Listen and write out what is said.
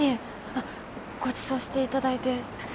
あっごちそうしていただいてすみません。